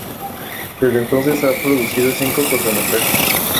Desde entonces ha producido cinco cortometrajes.